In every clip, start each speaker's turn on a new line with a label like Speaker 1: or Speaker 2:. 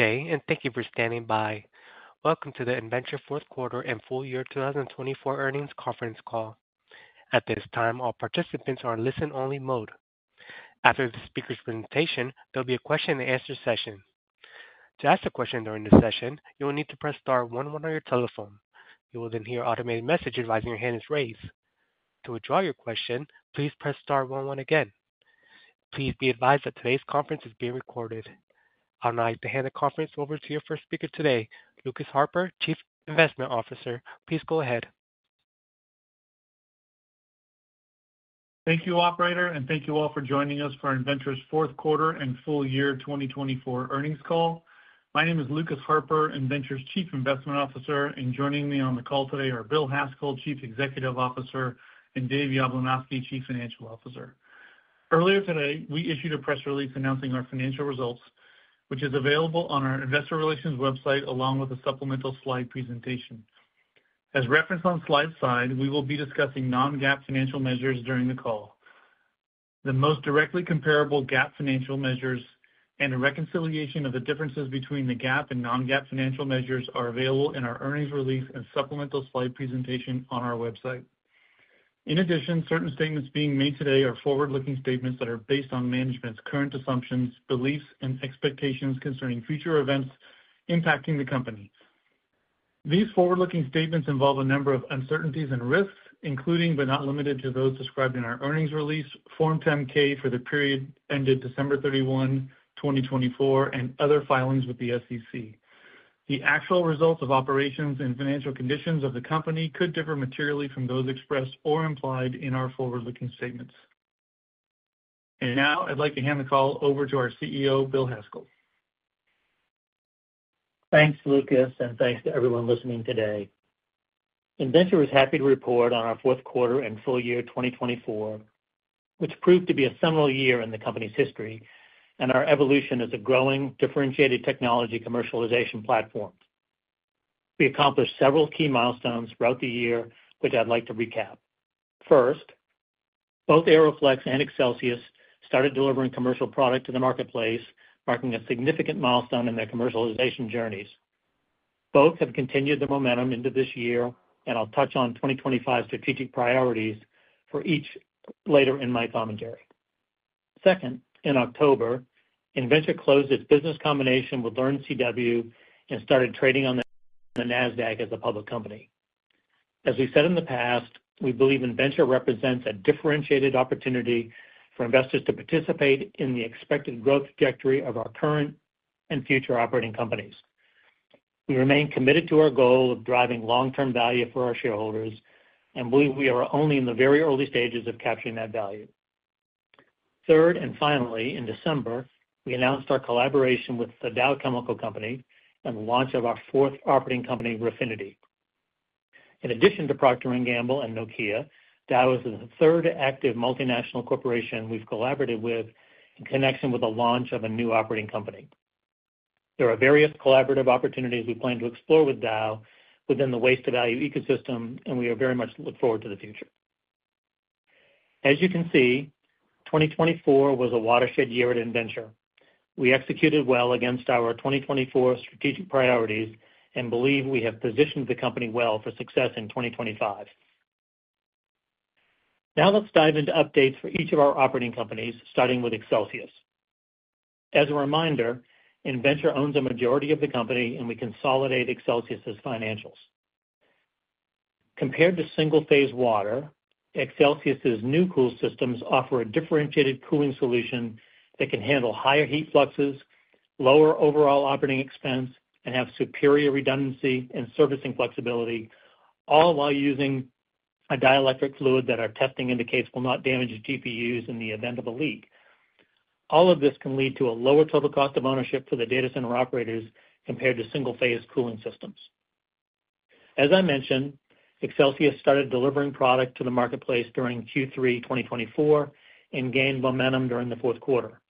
Speaker 1: Good day, and thank you for standing by. Welcome to the Innventure Fourth Quarter and Full Year 2024 Earnings Conference Call. At this time, all participants are in listen-only mode. After the speaker's presentation, there will be a question-and-answer session. To ask a question during this session, you will need to press star one one on your telephone. You will then hear an automated message advising your hand is raised. To withdraw your question, please press star one one again. Please be advised that today's conference is being recorded. I would now like to hand the conference over to your first speaker today, Lucas Harper, Chief Investment Officer. Please go ahead.
Speaker 2: Thank you, Operator, and thank you all for joining us for Innventure's Fourth Quarter and Full Year 2024 Earnings Call. My name is Lucas Harper, Innventure's Chief Investment Officer, and joining me on the call today are Bill Haskell, Chief Executive Officer, and Dave Yablunosky, Chief Financial Officer. Earlier today, we issued a press release announcing our financial results, which is available on our Investor Relations website along with a supplemental slide presentation. As referenced on the slide side, we will be discussing non-GAAP financial measures during the call. The most directly comparable GAAP financial measures and a reconciliation of the differences between the GAAP and non-GAAP financial measures are available in our earnings release and supplemental slide presentation on our website. In addition, certain statements being made today are forward-looking statements that are based on management's current assumptions, beliefs, and expectations concerning future events impacting the company. These forward-looking statements involve a number of uncertainties and risks, including but not limited to those described in our earnings release, Form 10-K for the period ended December 31, 2024, and other filings with the SEC. The actual results of operations and financial conditions of the company could differ materially from those expressed or implied in our forward-looking statements. I would like to hand the call over to our CEO, Bill Haskell.
Speaker 3: Thanks, Lucas, and thanks to everyone listening today. Innventure is happy to report on our fourth quarter and full year 2024, which proved to be a seminal year in the company's history and our evolution as a growing differentiated technology commercialization platform. We accomplished several key milestones throughout the year, which I'd like to recap. First, both AeroFlexx and Excelsius started delivering commercial product to the marketplace, marking a significant milestone in their commercialization journeys. Both have continued the momentum into this year, and I'll touch on 2025 strategic priorities for each later in my commentary. Second, in October, Innventure closed its business combination with Laurin CW and started trading on the NASDAQ as a public company. As we said in the past, we believe Innventure represents a differentiated opportunity for investors to participate in the expected growth trajectory of our current and future operating companies. We remain committed to our goal of driving long-term value for our shareholders, and we are only in the very early stages of capturing that value. Third and finally, in December, we announced our collaboration with the Dow Chemical Company and the launch of our fourth operating company, Raffiney. In addition to Procter & Gamble and Nokia, Dow is the third active multinational corporation we've collaborated with in connection with the launch of a new operating company. There are various collaborative opportunities we plan to explore with Dow within the waste-to-value ecosystem, and we very much look forward to the future. As you can see, 2024 was a watershed year at Innventure. We executed well against our 2024 strategic priorities and believe we have positioned the company well for success in 2025. Now, let's dive into updates for each of our operating companies, starting with Excelsius. As a reminder, Innventure owns a majority of the company, and we consolidate Excelsius's financials. Compared to single-phase water, Excelsius's New Cool systems offer a differentiated cooling solution that can handle higher heat fluxes, lower overall operating expense, and have superior redundancy and servicing flexibility, all while using a dielectric fluid that our testing indicates will not damage GPUs in the event of a leak. All of this can lead to a lower total cost of ownership for the data center operators compared to single-phase cooling systems. As I mentioned, Excelsius started delivering product to the marketplace during Q3 2024 and gained momentum during the fourth quarter.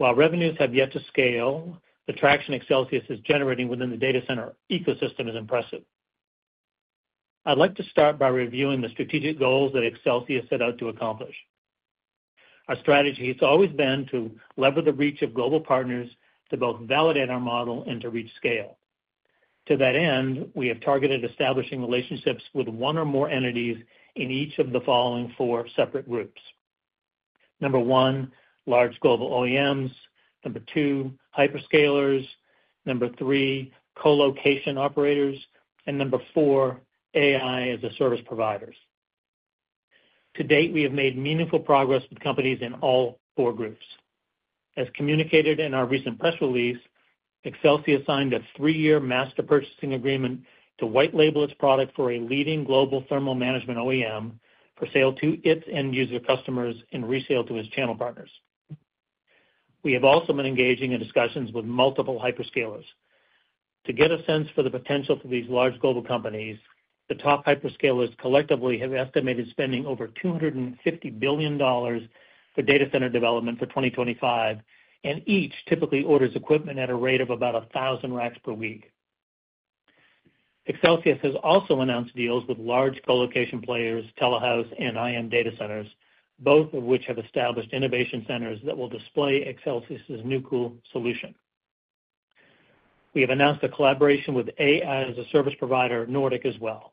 Speaker 3: While revenues have yet to scale, the traction Excelsius is generating within the data center ecosystem is impressive. I'd like to start by reviewing the strategic goals that Excelsius set out to accomplish. Our strategy has always been to lever the reach of global partners to both validate our model and to reach scale. To that end, we have targeted establishing relationships with one or more entities in each of the following four separate groups. Number one, large global OEMs. Number two, hyperscalers. Number three, colocation operators. Number four, AI as a service providers. To date, we have made meaningful progress with companies in all four groups. As communicated in our recent press release, Excelsius signed a three-year master purchasing agreement to white-label its product for a leading global thermal management OEM for sale to its end-user customers and resale to its channel partners. We have also been engaging in discussions with multiple hyperscalers. To get a sense for the potential for these large global companies, the top hyperscalers collectively have estimated spending over $250 billion for data center development for 2025, and each typically orders equipment at a rate of about 1,000 racks per week. Excelsius has also announced deals with large colocation players, Telehouse, and IM Data Centers, both of which have established innovation centers that will display Excelsius's New Cool solution. We have announced a collaboration with AI as a service provider, Nordic, as well.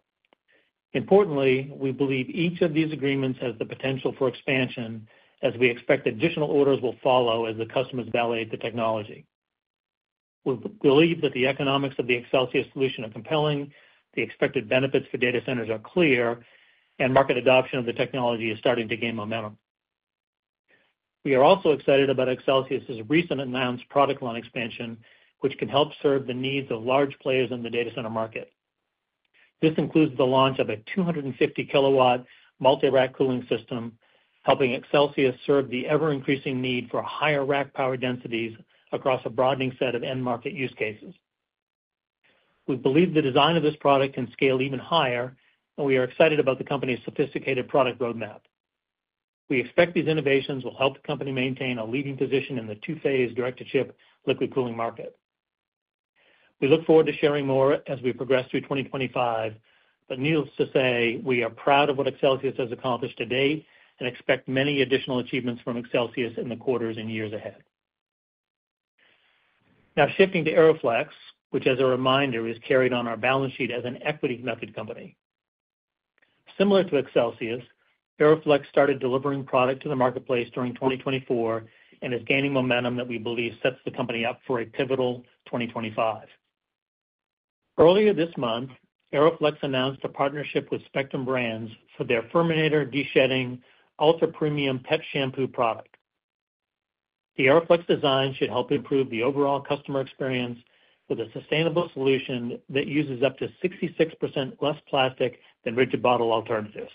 Speaker 3: Importantly, we believe each of these agreements has the potential for expansion as we expect additional orders will follow as the customers validate the technology. We believe that the economics of the Excelsius solution are compelling, the expected benefits for data centers are clear, and market adoption of the technology is starting to gain momentum. We are also excited about Excelsius's recent announced product line expansion, which can help serve the needs of large players in the data center market. This includes the launch of a 250-kilowatt multi-rack cooling system, helping Excelsius serve the ever-increasing need for higher rack power densities across a broadening set of end-market use cases. We believe the design of this product can scale even higher, and we are excited about the company's sophisticated product roadmap. We expect these innovations will help the company maintain a leading position in the two-phase direct-to-chip liquid cooling market. We look forward to sharing more as we progress through 2025, but needless to say, we are proud of what Excelsius has accomplished to date and expect many additional achievements from Excelsius in the quarters and years ahead. Now, shifting to AeroFlexx, which, as a reminder, is carried on our balance sheet as an equity-market company. Similar to Excelsius, AeroFlexx started delivering product to the marketplace during 2024 and is gaining momentum that we believe sets the company up for a pivotal 2025. Earlier this month, AeroFlexx announced a partnership with Spectrum Brands for their Firmator Dishedding Ultra-Premium Pet Shampoo product. The AeroFlexx design should help improve the overall customer experience with a sustainable solution that uses up to 66% less plastic than rigid bottle alternatives.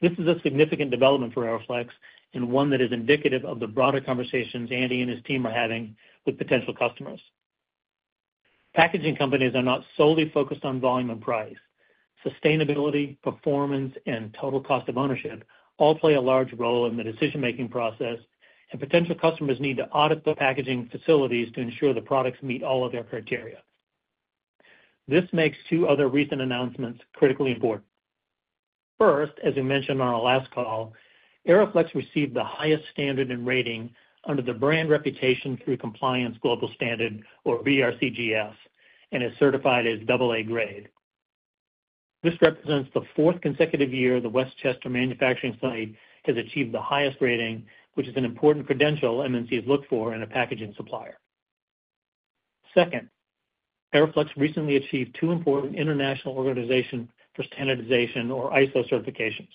Speaker 3: This is a significant development for AeroFlexx and one that is indicative of the broader conversations Andy and his team are having with potential customers. Packaging companies are not solely focused on volume and price. Sustainability, performance, and total cost of ownership all play a large role in the decision-making process, and potential customers need to audit the packaging facilities to ensure the products meet all of their criteria. This makes two other recent announcements critically important. First, as we mentioned on our last call, AeroFlexx received the highest standard and rating under the Brand Reputation Through Compliance Global Standard, or BRCGS, and is certified as AA grade. This represents the fourth consecutive year the Westchester manufacturing site has achieved the highest rating, which is an important credential MNCs look for in a packaging supplier. Second, AeroFlexx recently achieved two important International Organization for Standardization, or ISO, certifications.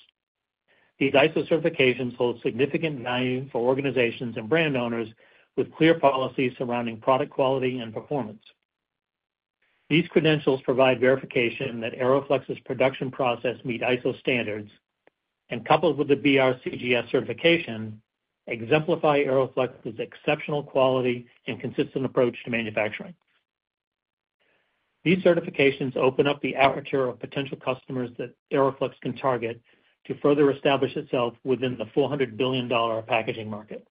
Speaker 3: These ISO certifications hold significant value for organizations and brand owners with clear policies surrounding product quality and performance. These credentials provide verification that AeroFlexx's production process meets ISO standards, and coupled with the BRCGS certification, exemplify AeroFlexx's exceptional quality and consistent approach to manufacturing. These certifications open up the aperture of potential customers that AeroFlexx can target to further establish itself within the $400 billion packaging market.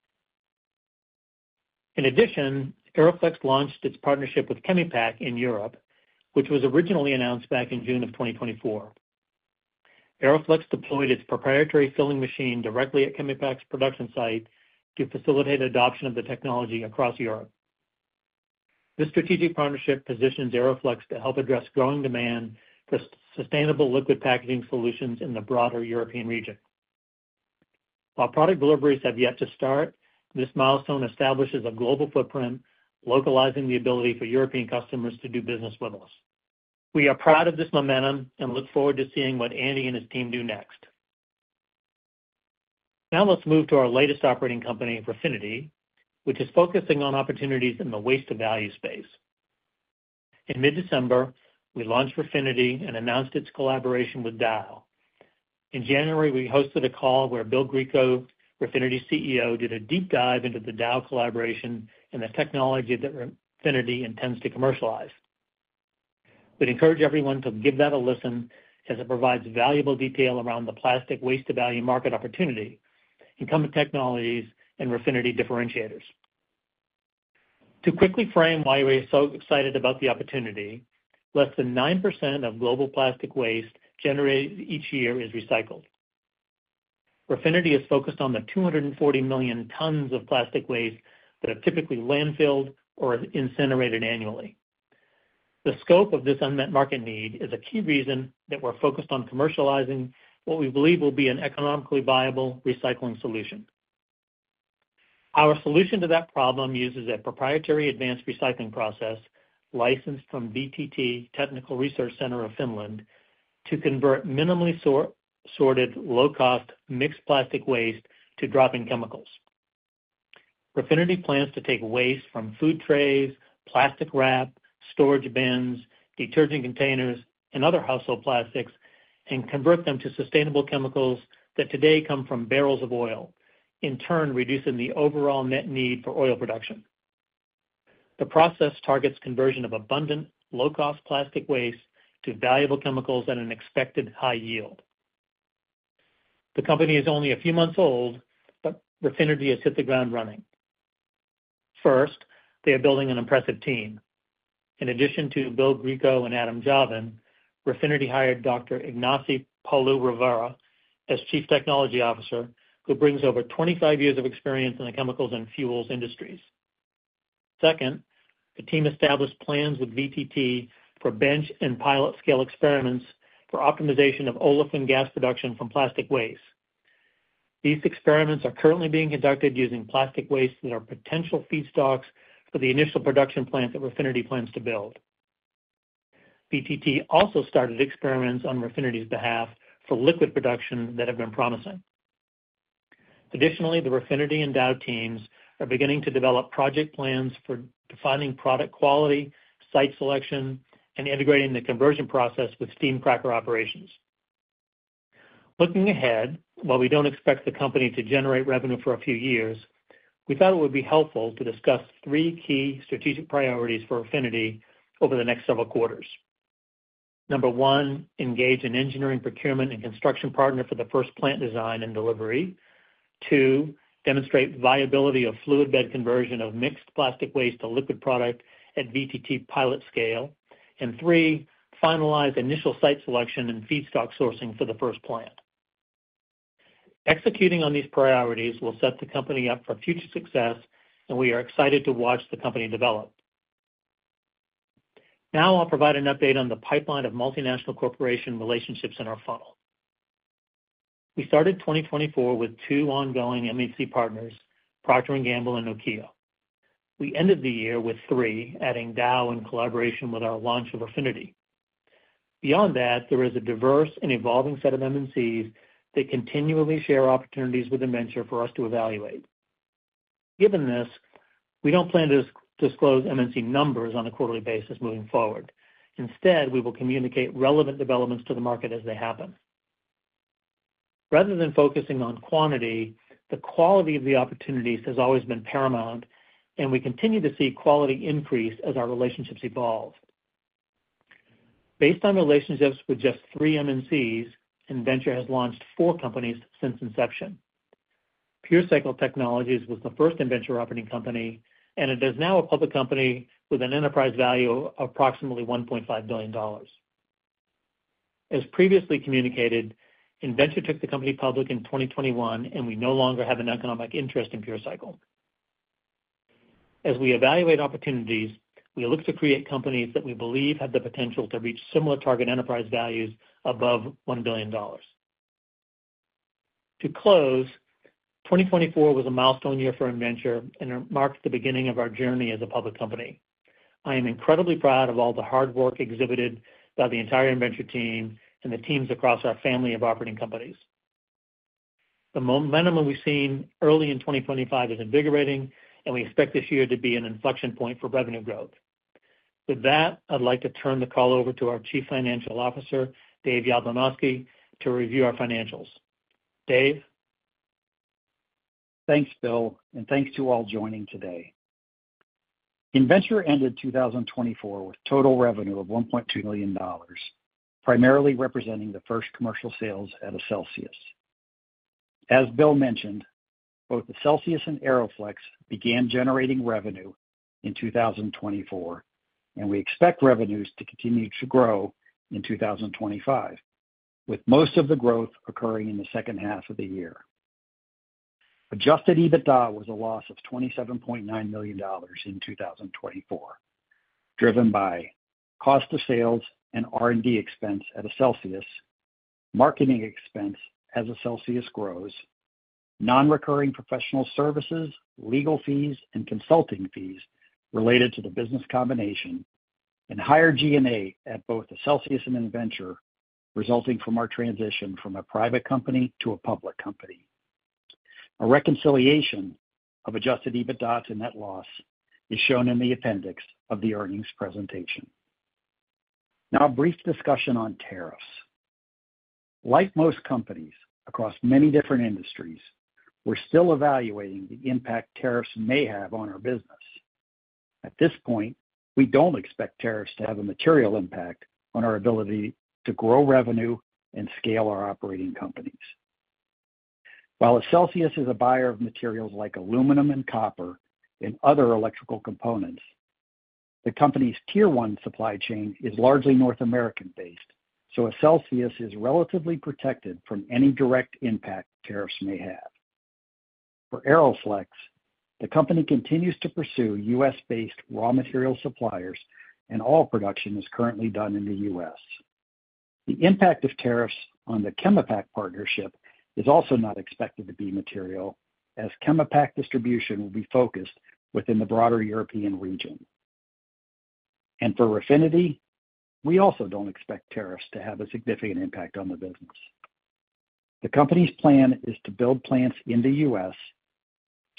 Speaker 3: In addition, AeroFlexx launched its partnership with Chemipac in Europe, which was originally announced back in June of 2024. AeroFlexx deployed its proprietary filling machine directly at Chemipac's production site to facilitate adoption of the technology across Europe. This strategic partnership positions AeroFlexx to help address growing demand for sustainable liquid packaging solutions in the broader European region. While product deliveries have yet to start, this milestone establishes a global footprint, localizing the ability for European customers to do business with us. We are proud of this momentum and look forward to seeing what Andy and his team do next. Now, let's move to our latest operating company, Raffiney, which is focusing on opportunities in the waste-to-value space. In mid-December, we launched Raffiney and announced its collaboration with Dow. In January, we hosted a call where Bill Grieco, Raffiney's CEO, did a deep dive into the Dow collaboration and the technology that Raffiney intends to commercialize. We'd encourage everyone to give that a listen as it provides valuable detail around the plastic waste-to-value market opportunity, incumbent technologies, and Raffiney differentiators. To quickly frame why we are so excited about the opportunity, less than 9% of global plastic waste generated each year is recycled. Raffiney is focused on the 240 million tons of plastic waste that are typically landfilled or incinerated annually. The scope of this unmet market need is a key reason that we're focused on commercializing what we believe will be an economically viable recycling solution. Our solution to that problem uses a proprietary advanced recycling process licensed from VTT Technical Research Center of Finland to convert minimally sorted, low-cost mixed plastic waste to dropping chemicals. Raffiney plans to take waste from food trays, plastic wrap, storage bins, detergent containers, and other household plastics and convert them to sustainable chemicals that today come from barrels of oil, in turn reducing the overall net need for oil production. The process targets conversion of abundant, low-cost plastic waste to valuable chemicals at an expected high yield. The company is only a few months old, but Raffiney has hit the ground running. First, they are building an impressive team. In addition to Bill Grieco and Adam Javan, Raffiney hired Dr. Ignacio Palu Rivera as Chief Technology Officer, who brings over 25 years of experience in the chemicals and fuels industries. Second, the team established plans with VTT for bench and pilot-scale experiments for optimization of olefin gas production from plastic waste. These experiments are currently being conducted using plastic waste that are potential feedstocks for the initial production plant that Raffiney plans to build. VTT also started experiments on Raffiney's behalf for liquid production that have been promising. Additionally, the Raffiney and Dow teams are beginning to develop project plans for defining product quality, site selection, and integrating the conversion process with steam cracker operations. Looking ahead, while we don't expect the company to generate revenue for a few years, we thought it would be helpful to discuss three key strategic priorities for Raffiney over the next several quarters. Number one, engage an engineering, procurement, and construction partner for the first plant design and delivery. Two, demonstrate viability of fluid bed conversion of mixed plastic waste to liquid product at VTT pilot scale. Three, finalize initial site selection and feedstock sourcing for the first plant. Executing on these priorities will set the company up for future success, and we are excited to watch the company develop. Now, I'll provide an update on the pipeline of multinational corporation relationships in our funnel. We started 2024 with two ongoing MNC partners, Procter & Gamble and Nokia. We ended the year with three, adding Dow in collaboration with our launch of Raffiney. Beyond that, there is a diverse and evolving set of MNCs that continually share opportunities with Innventure for us to evaluate. Given this, we don't plan to disclose MNC numbers on a quarterly basis moving forward. Instead, we will communicate relevant developments to the market as they happen. Rather than focusing on quantity, the quality of the opportunities has always been paramount, and we continue to see quality increase as our relationships evolve. Based on relationships with just three MNCs, Innventure has launched four companies since inception. PureCycle Technologies was the first Innventure operating company, and it is now a public company with an enterprise value of approximately $1.5 billion. As previously communicated, Innventure took the company public in 2021, and we no longer have an economic interest in PureCycle. As we evaluate opportunities, we look to create companies that we believe have the potential to reach similar target enterprise values above $1 billion. To close, 2024 was a milestone year for Innventure and marked the beginning of our journey as a public company. I am incredibly proud of all the hard work exhibited by the entire Innventure team and the teams across our family of operating companies. The momentum we've seen early in 2025 is invigorating, and we expect this year to be an inflection point for revenue growth. With that, I'd like to turn the call over to our Chief Financial Officer, Dave Yablunosky, to review our financials. Dave.
Speaker 4: Thanks, Bill, and thanks to all joining today. Innventure ended 2024 with total revenue of $1.2 million, primarily representing the first commercial sales at AeroFlexx. As Bill mentioned, both Raffiney and AeroFlexx began generating revenue in 2024, and we expect revenues to continue to grow in 2025, with most of the growth occurring in the second half of the year. Adjusted EBITDA was a loss of $27.9 million in 2024, driven by cost of sales and R&D expense at Raffiney, marketing expense as Raffiney grows, non-recurring professional services, legal fees, and consulting fees related to the business combination, and higher G&A at both Raffiney and Innventure resulting from our transition from a private company to a public company. A reconciliation of adjusted EBITDA to net loss is shown in the appendix of the earnings presentation. Now, a brief discussion on tariffs. Like most companies across many different industries, we're still evaluating the impact tariffs may have on our business. At this point, we don't expect tariffs to have a material impact on our ability to grow revenue and scale our operating companies. While Innventure is a buyer of materials like aluminum and copper and other electrical components, the company's tier one supply chain is largely North American based, so Innventure is relatively protected from any direct impact tariffs may have. For AeroFlexx, the company continues to pursue U.S.-based raw material suppliers, and all production is currently done in the U.S. The impact of tariffs on the Chemipac partnership is also not expected to be material, as Chemipac distribution will be focused within the broader European region. For Raffiney, we also do not expect tariffs to have a significant impact on the business. The company's plan is to build plants in the U.S.,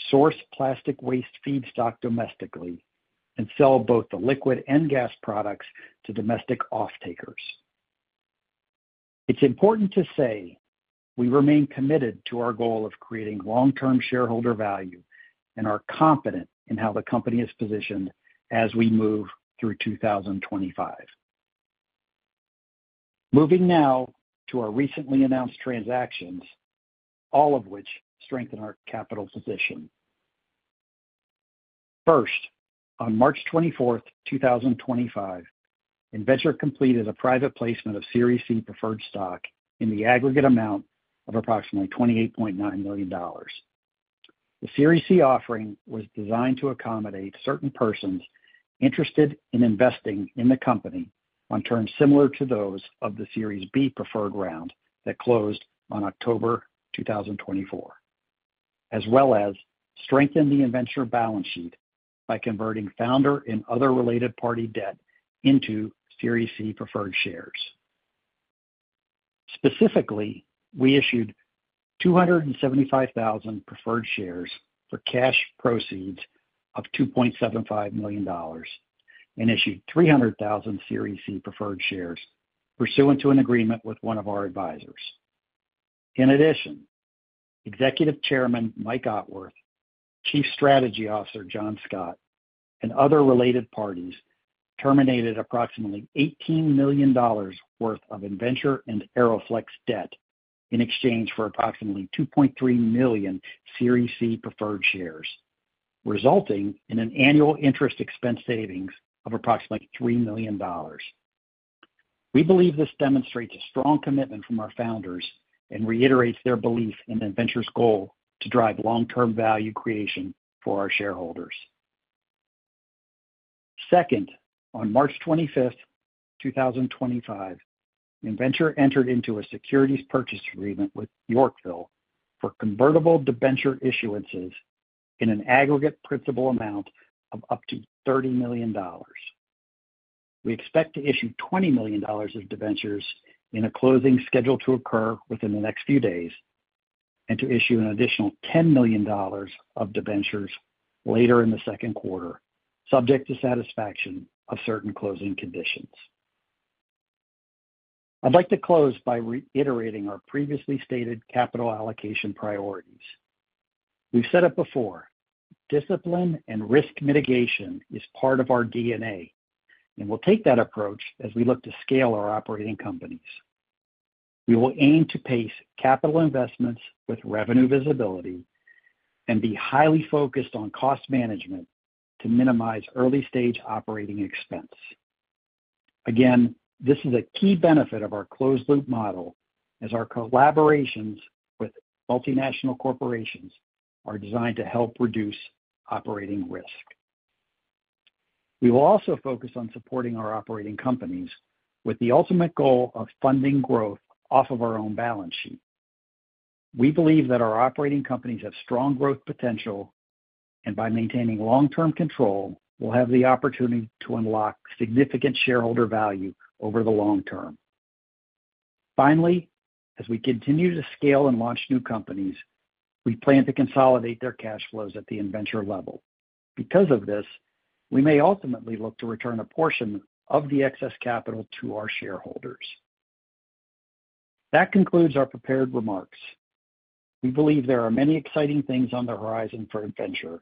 Speaker 4: source plastic waste feedstock domestically, and sell both the liquid and gas products to domestic off-takers. It is important to say we remain committed to our goal of creating long-term shareholder value and are confident in how the company is positioned as we move through 2025. Moving now to our recently announced transactions, all of which strengthen our capital position. First, on March 24, 2025, Innventure completed a private placement of Series C preferred stock in the aggregate amount of approximately $28.9 million. The Series C offering was designed to accommodate certain persons interested in investing in the company on terms similar to those of the Series B preferred round that closed in October 2024, as well as strengthen the Innventure balance sheet by converting founder and other related party debt into Series C preferred shares. Specifically, we issued 275,000 preferred shares for cash proceeds of $2.75 million and issued 300,000 Series C preferred shares pursuant to an agreement with one of our advisors. In addition, Executive Chairman Mike Otworth, Chief Strategy Officer John Scott, and other related parties terminated approximately $18 million worth of Innventure and AeroFlex debt in exchange for approximately 2.3 million Series C preferred shares, resulting in an annual interest expense savings of approximately $3 million. We believe this demonstrates a strong commitment from our founders and reiterates their belief in Innventure's goal to drive long-term value creation for our shareholders. Second, on March 25, 2025, Innventure entered into a securities purchase agreement with Yorkville for convertible debenture issuances in an aggregate principal amount of up to $30 million. We expect to issue $20 million of debentures in a closing scheduled to occur within the next few days and to issue an additional $10 million of debentures later in the second quarter, subject to satisfaction of certain closing conditions. I'd like to close by reiterating our previously stated capital allocation priorities. We've said it before, discipline and risk mitigation is part of our DNA, and we'll take that approach as we look to scale our operating companies. We will aim to pace capital investments with revenue visibility and be highly focused on cost management to minimize early-stage operating expense. Again, this is a key benefit of our closed-loop model as our collaborations with multinational corporations are designed to help reduce operating risk. We will also focus on supporting our operating companies with the ultimate goal of funding growth off of our own balance sheet. We believe that our operating companies have strong growth potential, and by maintaining long-term control, we'll have the opportunity to unlock significant shareholder value over the long term. Finally, as we continue to scale and launch new companies, we plan to consolidate their cash flows at the Innventure level. Because of this, we may ultimately look to return a portion of the excess capital to our shareholders. That concludes our prepared remarks. We believe there are many exciting things on the horizon for Innventure,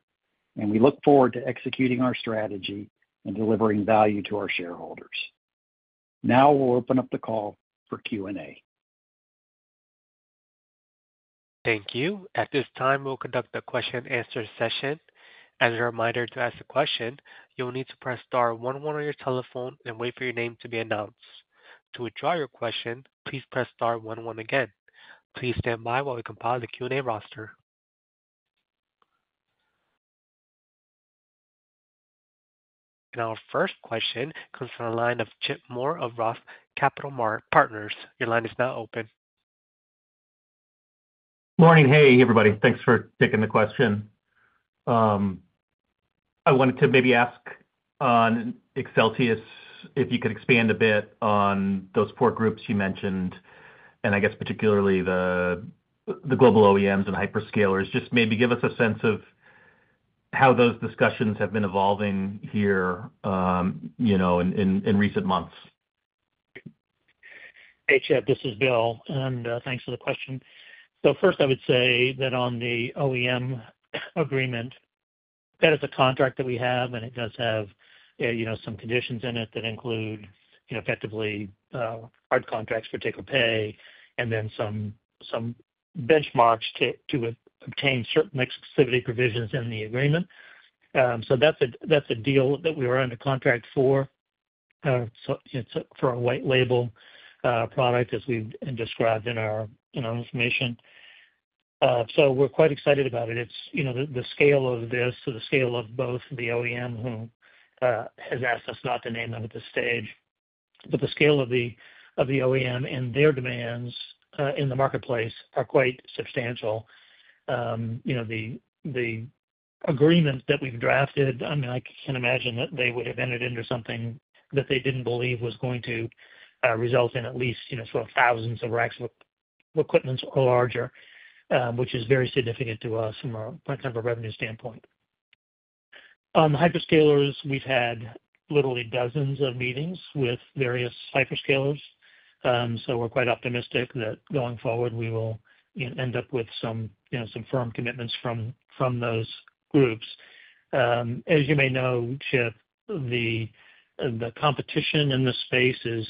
Speaker 4: and we look forward to executing our strategy and delivering value to our shareholders. Now we'll open up the call for Q&A.
Speaker 1: Thank you. At this time, we'll conduct a question-and-answer session. As a reminder to ask a question, you'll need to press star one one on your telephone and wait for your name to be announced. To withdraw your question, please press star one one again. Please stand by while we compile the Q&A roster. Our first question comes from the line of Chip Moore of Roth Capital Partners. Your line is now open.
Speaker 5: Morning. Hey, everybody. Thanks for taking the question. I wanted to maybe ask on Associates if you could expand a bit on those four groups you mentioned, and I guess particularly the global OEMs and hyperscalers. Just maybe give us a sense of how those discussions have been evolving here in recent months.
Speaker 3: Hey, Chip, this is Bill, and thanks for the question. First, I would say that on the OEM agreement, that is a contract that we have, and it does have some conditions in it that include effectively hard contracts for take or pay, and then some benchmarks to obtain certain exclusivity provisions in the agreement. That is a deal that we were under contract for for a white label product, as we have described in our information. We are quite excited about it. The scale of this, the scale of both the OEM, who has asked us not to name them at this stage, but the scale of the OEM and their demands in the marketplace are quite substantial. The agreement that we've drafted, I mean, I can't imagine that they would have entered into something that they didn't believe was going to result in at least thousands of racks of equipment or larger, which is very significant to us from a revenue standpoint. On the hyperscalers, we've had literally dozens of meetings with various hyperscalers, so we're quite optimistic that going forward, we will end up with some firm commitments from those groups. As you may know, Chip, the competition in the space is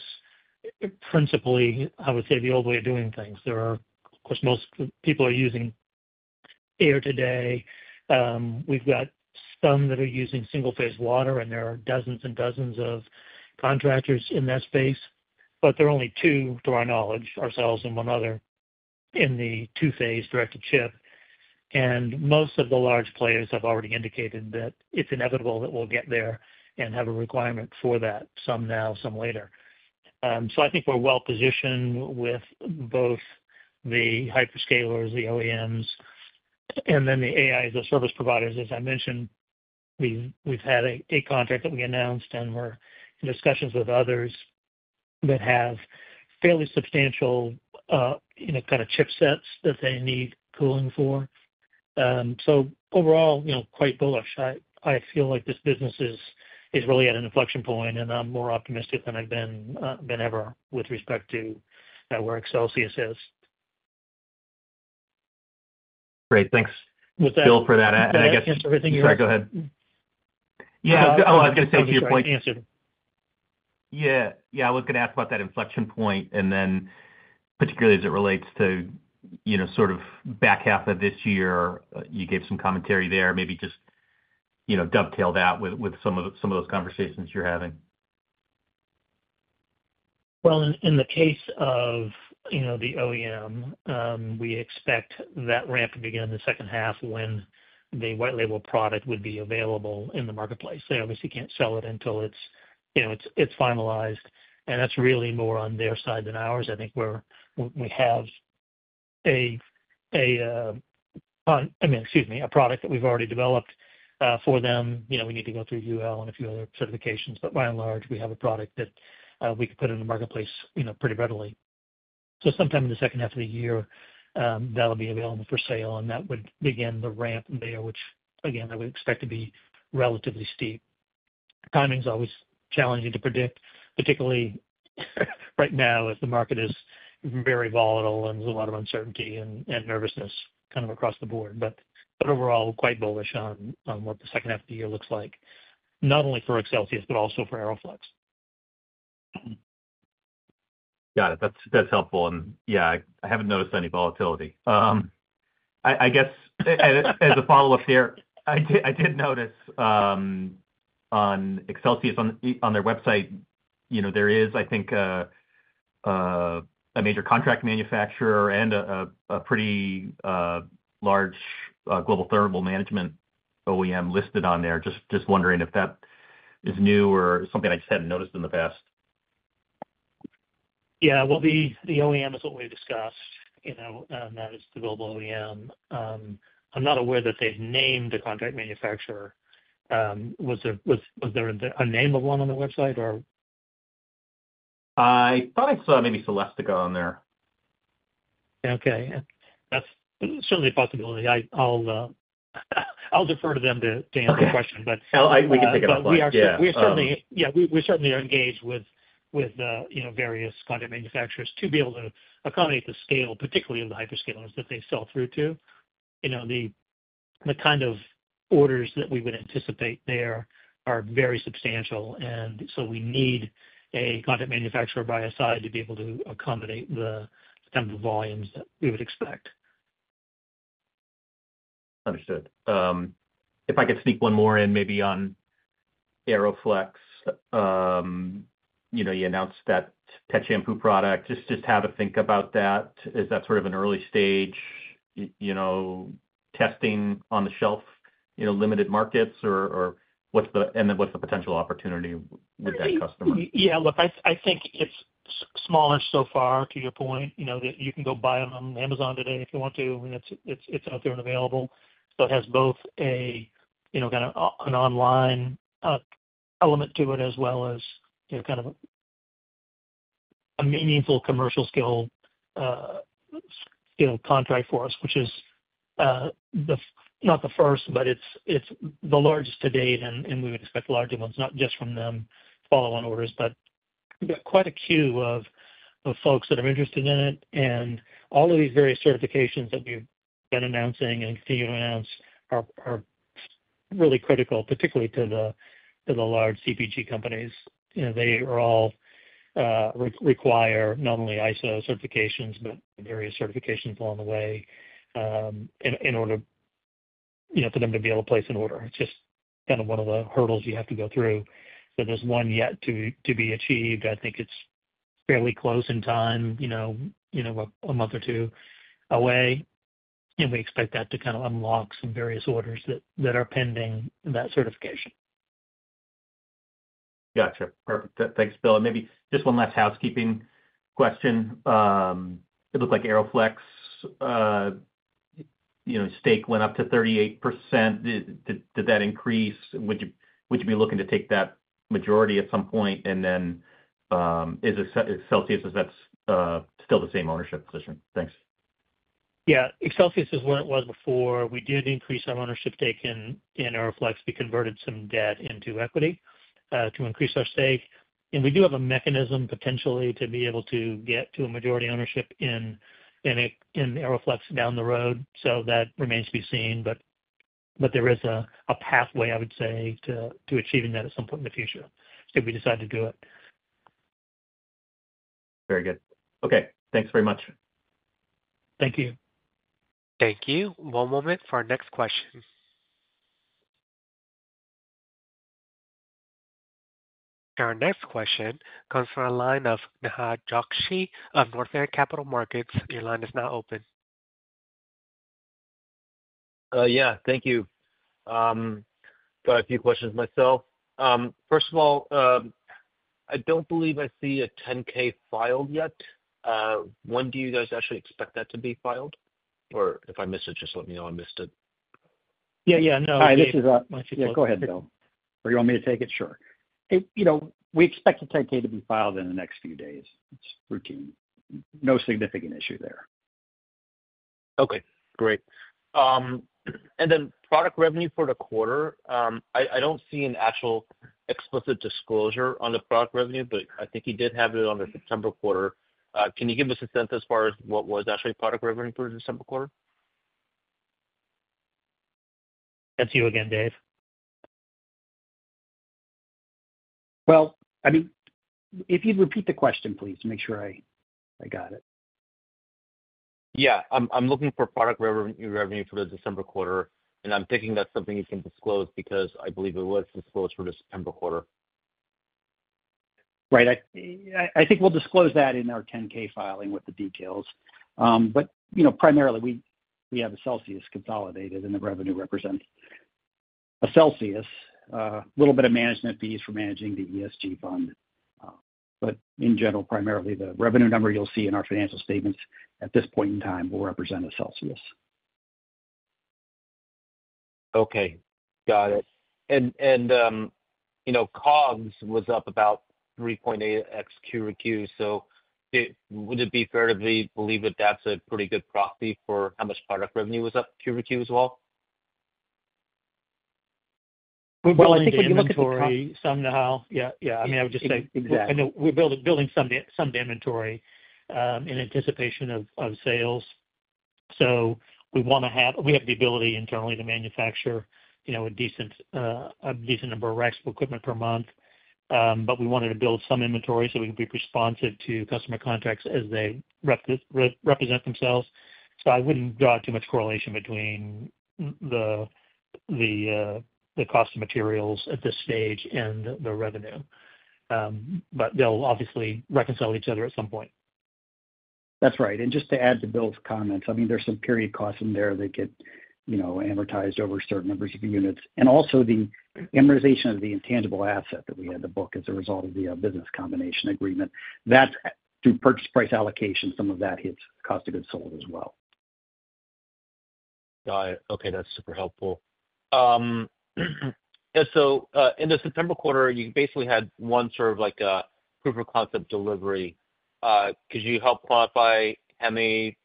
Speaker 3: principally, I would say, the old way of doing things. Of course, most people are using air today. We've got some that are using single-phase water, and there are dozens and dozens of contractors in that space, but there are only two, to our knowledge, ourselves and one other, in the two-phase direct-to-chip. Most of the large players have already indicated that it's inevitable that we'll get there and have a requirement for that, some now, some later. I think we're well-positioned with both the hyperscalers, the OEMs, and then the AI as a service providers. As I mentioned, we've had a contract that we announced, and we're in discussions with others that have fairly substantial kind of chip sets that they need cooling for. Overall, quite bullish. I feel like this business is really at an inflection point, and I'm more optimistic than I've been ever with respect to where Associates is.
Speaker 5: Great. Thanks, Bill, for that. I guess. Sorry, go ahead. Yeah. Oh, I was going to say to your point. Yeah. Yeah. I was going to ask about that inflection point, and then particularly as it relates to sort of back half of this year, you gave some commentary there. Maybe just dovetail that with some of those conversations you're having.
Speaker 3: Will in the case of the OEM, we expect that ramp to begin in the second half when the white label product would be available in the marketplace. They obviously can't sell it until it's finalized, and that's really more on their side than ours. I think we have a—I mean, excuse me—a product that we've already developed for them. We need to go through UL and a few other certifications, but by and large, we have a product that we could put in the marketplace pretty readily. Sometime in the second half of the year, that'll be available for sale, and that would begin the ramp there, which, again, I would expect to be relatively steep. Timing's always challenging to predict, particularly right now as the market is very volatile and there's a lot of uncertainty and nervousness kind of across the board. Overall, quite bullish on what the second half of the year looks like, not only for Associates but also for AeroFlexx.
Speaker 5: Got it. That's helpful. Yeah, I haven't noticed any volatility. I guess as a follow-up there, I did notice on Associates on their website, there is, I think, a major contract manufacturer and a pretty large global thermal management OEM listed on there. Just wondering if that is new or something I just hadn't noticed in the past.
Speaker 3: Yeah.The OEM is what we've discussed, and that is the global OEM. I'm not aware that they've named the contract manufacturer.
Speaker 5: W as there a name of one on the website or?I thought I saw maybe Celestica on there.
Speaker 3: That's certainly a possibility. I'll defer to them to answer the question, but we can think about that. Yeah. We certainly are engaged with various contract manufacturers to be able to accommodate the scale, particularly of the hyperscalers that they sell through to. The kind of orders that we would anticipate there are very substantial, and so we need a contract manufacturer by our side to be able to accommodate the kind of volumes that we would expect.
Speaker 5: Understood. If I could sneak one more in, maybe on AeroFlexx, you announced that pet shampoo product. Just have a think about that. Is that sort of an early stage testing on the shelf, limited markets, and then what's the potential opportunity with that customer?
Speaker 3: Yeah. Look, I think it's smaller so far to your point that you can go buy it on Amazon today if you want to, and it's out there and available. It has both kind of an online element to it as well as kind of a meaningful commercial scale contract for us, which is not the first, but it's the largest to date, and we would expect larger ones, not just from them to follow on orders, but quite a queue of folks that are interested in it. All of these various certifications that we've been announcing and continue to announce are really critical, particularly to the large CPG companies. They all require not only ISO certifications but various certifications along the way in order for them to be able to place an order. It is just kind of one of the hurdles you have to go through. There is one yet to be achieved. I think it is fairly close in time, a month or two away, and we expect that to kind of unlock some various orders that are pending that certification.
Speaker 5: Gotcha. Perfect. Thanks, Bill. Maybe just one last housekeeping question. It looked like AeroFlexx stake went up to 38%. Did that increase? Would you be looking to take that majority at some point? Is Associates still the same ownership position? Thanks.
Speaker 3: Yeah. Associates is where it was before. We did increase our ownership stake in AeroFlexx. We converted some debt into equity to increase our stake. We do have a mechanism potentially to be able to get to a majority ownership in AeroFlexx down the road, so that remains to be seen. There is a pathway, I would say, to achieving that at some point in the future if we decide to do it.
Speaker 5: Very good. Okay. Thanks very much.
Speaker 3: Thank you.
Speaker 1: Thank you. One moment for our next question. Our next question comes from a line of Nihad Jokichi of North America Capital Markets. Your line is now open.
Speaker 6: Yeah. Thank you. Got a few questions myself. First of all, I don't believe I see a 10K filed yet. When do you guys actually expect that to be filed? Or if I missed it, just let me know I missed it. Yeah.
Speaker 3: Yeah. No. Hi. This is my supervisor. Yeah.
Speaker 6: Go ahead, Bill. Or you want me to take it? Sure.
Speaker 3: We expect the 10K to be filed in the next few days. It's routine. No significant issue there.
Speaker 6: Okay. Great. Then product revenue for the quarter, I do not see an actual explicit disclosure on the product revenue, but I think you did have it on the September quarter. Can you give us a sense as far as what was actually product revenue for the December quarter?
Speaker 3: That is you again, Dave.
Speaker 4: I mean, if you would repeat the question, please, to make sure I got it.
Speaker 6: Yeah. I am looking for product revenue for the December quarter, and I am thinking that is something you can disclose because I believe it was disclosed for the September quarter.
Speaker 4: Right. I think we will disclose that in our 10K filing with the details. Primarily, we have Associates consolidated, and the revenue represents Associates. A little bit of management fees for managing the ESG fund. In general, primarily, the revenue number you'll see in our financial statements at this point in time will represent Associates.
Speaker 6: Okay. Got it. And COGS was up about 3.8x Q2. Would it be fair to believe that that's a pretty good proxy for how much product revenue was up Q2 as well?
Speaker 3: I think we're looking for somehow. Yeah. Yeah. I mean, I would just say. Exactly. We're building some inventory in anticipation of sales. We have the ability internally to manufacture a decent number of racks of equipment per month, but we wanted to build some inventory so we could be responsive to customer contracts as they represent themselves. I wouldn't draw too much correlation between the cost of materials at this stage and the revenue. They'll obviously reconcile each other at some point.
Speaker 4: That's right. Just to add to Bill's comments, I mean, there's some period costs in there that get amortized over certain numbers of units. Also, the amortization of the intangible asset that we had to book as a result of the business combination agreement, that's through purchase price allocation. Some of that hits cost of goods sold as well.
Speaker 6: Got it. Okay. That's super helpful. In the September quarter, you basically had one sort of proof of concept delivery. Could you help quantify how many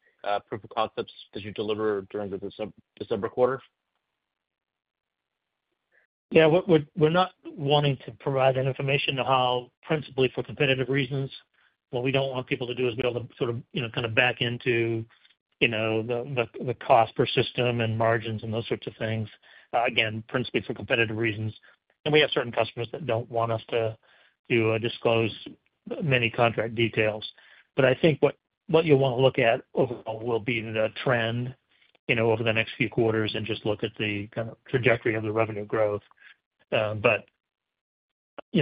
Speaker 6: proof of concepts did you deliver during the December quarter?
Speaker 3: Yeah. We're not wanting to provide that information, principally for competitive reasons. What we don't want people to do is be able to sort of kind of back into the cost per system and margins and those sorts of things. Again, principally for competitive reasons. We have certain customers that do not want us to disclose many contract details. I think what you will want to look at overall will be the trend over the next few quarters and just look at the kind of trajectory of the revenue growth.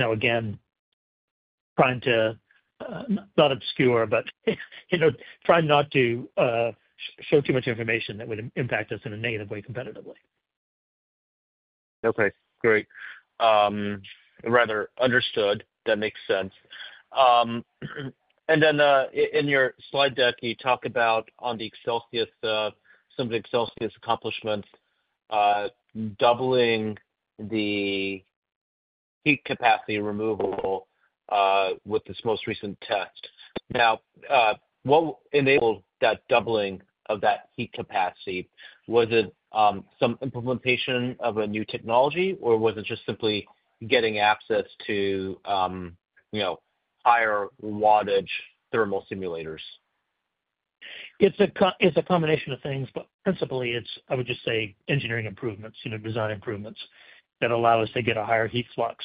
Speaker 3: Again, trying to not obscure, but trying not to show too much information that would impact us in a negative way competitively.
Speaker 6: Okay. Great. Rather understood. That makes sense. In your slide deck, you talk about on the Associates, some of the Associates' accomplishments, doubling the heat capacity removal with this most recent test. What enabled that doubling of that heat capacity? Was it some implementation of a new technology, or was it just simply getting access to higher wattage thermal simulators?
Speaker 3: It's a combination of things, but principally, I would just say engineering improvements, design improvements that allow us to get a higher heat flux.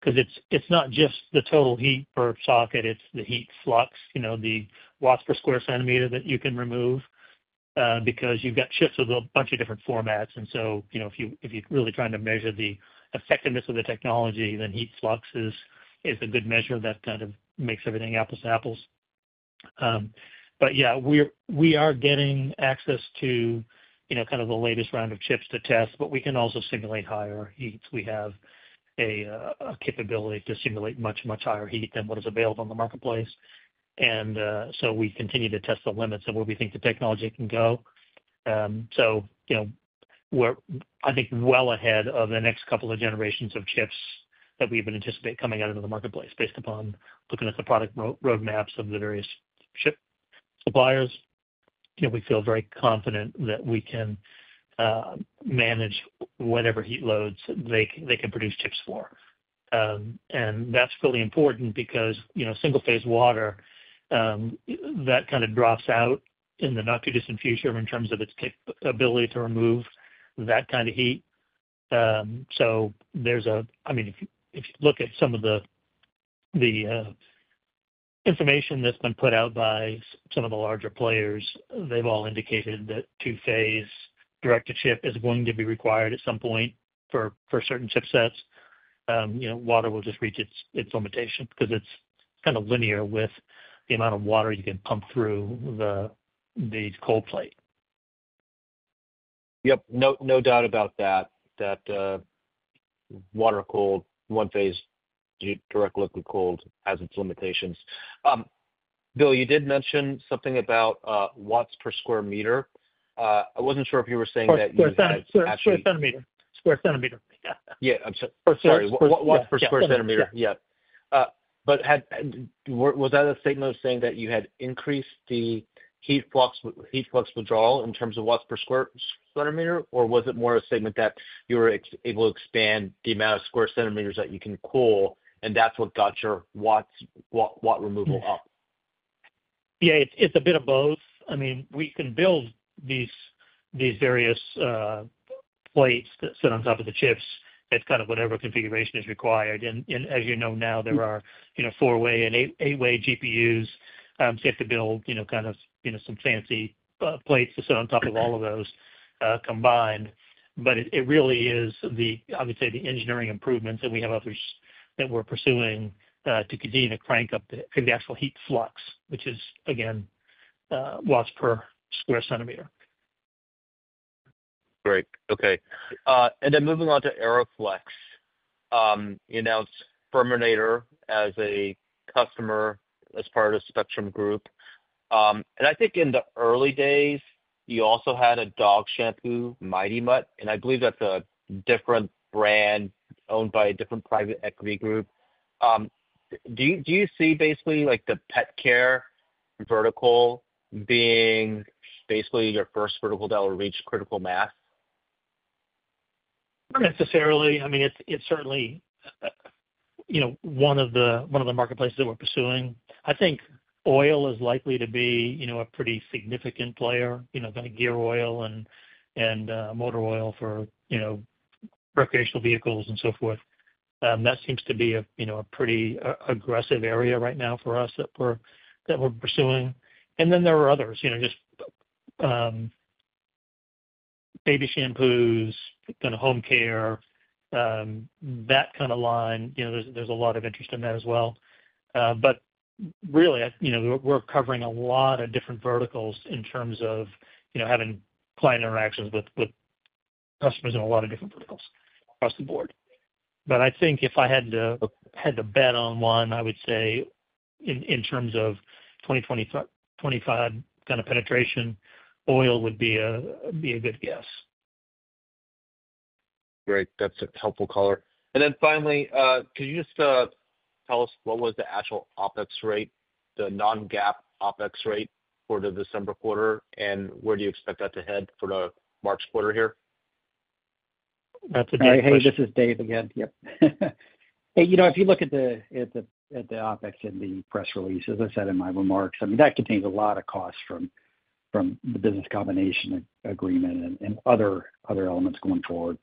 Speaker 3: Because it's not just the total heat per socket. It's the heat flux, the watts per square centimeter that you can remove because you've got chips of a bunch of different formats. If you're really trying to measure the effectiveness of the technology, then heat flux is a good measure that kind of makes everything apples to apples. Yeah, we are getting access to kind of the latest round of chips to test, but we can also simulate higher heats. We have a capability to simulate much, much higher heat than what is available in the marketplace. We continue to test the limits of where we think the technology can go. We're, I think, well ahead of the next couple of generations of chips that we even anticipate coming out of the marketplace based upon looking at the product roadmaps of the various chip suppliers. We feel very confident that we can manage whatever heat loads they can produce chips for. That's really important because single-phase water, that kind of drops out in the not-too-distant future in terms of its capability to remove that kind of heat. I mean, if you look at some of the information that's been put out by some of the larger players, they've all indicated that two-phase direct-to-chip is going to be required at some point for certain chip sets. Water will just reach its limitation because it's kind of linear with the amount of water you can pump through the cold plate.
Speaker 6: Yep.No doubt about that, that water-cooled one-phase direct liquid cooled has its limitations. Bill, you did mention something about watts per square meter. I wasn't sure if you were saying that you had actually. Square centimeter.
Speaker 3: Square centimeter. Yeah. I'm sorry.
Speaker 6: Sorry. Watts per square centimeter. Yeah. But was that a statement of saying that you had increased the heat flux withdrawal in terms of watts per square centimeter, or was it more a statement that you were able to expand the amount of square centimeters that you can cool, and that's what got your watts removal up?
Speaker 3: Yeah. It's a bit of both. I mean, we can build these various plates that sit on top of the chips at kind of whatever configuration is required. And as you know now, there are four-way and eight-way GPUs. You have to build kind of some fancy plates to sit on top of all of those combined. It really is, I would say, the engineering improvements that we have, others that we're pursuing to continue to crank up the actual heat flux, which is, again, watts per square centimeter.
Speaker 6: Great. Okay. Moving on to AeroFlexx, you announced Firmator as a customer as part of Spectrum Brands. I think in the early days, you also had a dog shampoo, Mighty Mutt, and I believe that's a different brand owned by a different private equity group. Do you see basically the pet care vertical being basically your first vertical that will reach critical mass?
Speaker 3: Not necessarily. I mean, it's certainly one of the marketplaces that we're pursuing. I think oil is likely to be a pretty significant player, kind of gear oil and motor oil for recreational vehicles and so forth. That seems to be a pretty aggressive area right now for us that we're pursuing. There are others, just baby shampoos, kind of home care, that kind of line. There's a lot of interest in that as well. Really, we're covering a lot of different verticals in terms of having client interactions with customers in a lot of different verticals across the board. If I had to bet on one, I would say in terms of 2025 kind of penetration, oil would be a good guess.
Speaker 6: Great. That's a helpful color. Finally, could you just tell us what was the actual OpEx rate, the non-GAAP OpEx rate for the December quarter, and where do you expect that to head for the March quarter here?
Speaker 4: That's a good question. Hey, this is Dave again. Yep. Hey, if you look at the OpEx in the press release, as I said in my remarks, I mean, that contains a lot of costs from the business combination agreement and other elements going forward.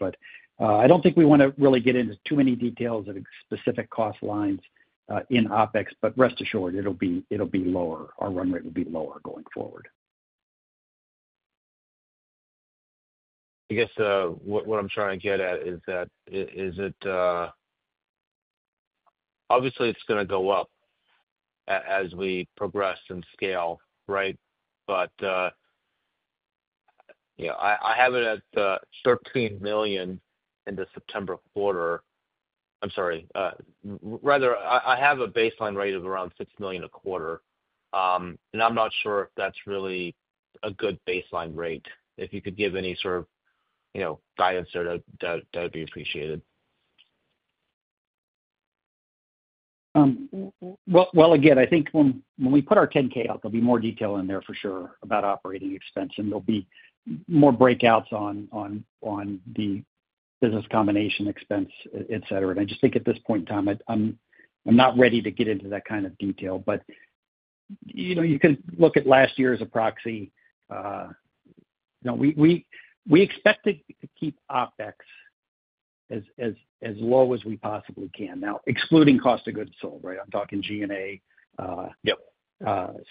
Speaker 4: I don't think we want to really get into too many details of specific cost lines in OpEx, but rest assured, it'll be lower. Our run rate will be lower going forward. I guess what I'm trying to get at is that obviously it's going to go up as we progress in scale, right? But I have it at $13 million in the September quarter. I'm sorry. Rather, I have a baseline rate of around $6 million a quarter, and I'm not sure if that's really a good baseline rate. If you could give any sort of guidance there, that would be appreciated. I think when we put our 10K out, there'll be more detail in there for sure about operating expense. There'll be more breakouts on the business combination expense, etc. I just think at this point in time, I'm not ready to get into that kind of detail. You could look at last year as a proxy. We expect to keep OpEx as low as we possibly can. Now, excluding cost of goods sold, right? I'm talking G&A,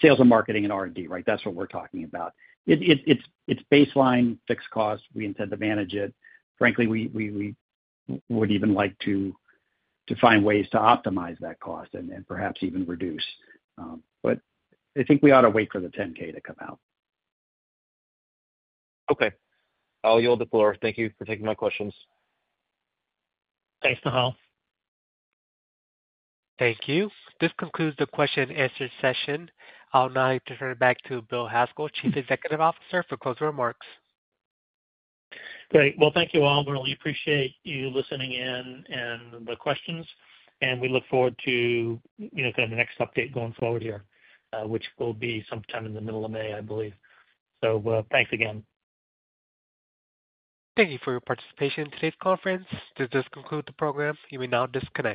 Speaker 4: sales and marketing, and R&D, right? That's what we're talking about.
Speaker 3: It's baseline fixed cost. We intend to manage it. Frankly, we would even like to find ways to optimize that cost and perhaps even reduce. I think we ought to wait for the 10K to come out.
Speaker 6: Okay. I'll yield the floor. Thank you for taking my questions.
Speaker 3: Thanks, Nihad.
Speaker 1: Thank you. This concludes the question-and-answer session. I'll now turn it back to Bill Haskell, Chief Executive Officer, for closing remarks.
Speaker 3: Great. Thank you all. We really appreciate you listening in and the questions. We look forward to kind of the next update going forward here, which will be sometime in the middle of May, I believe. Thanks again.
Speaker 1: Thank you for your participation in today's conference. This concludes the program. You may now disconnect.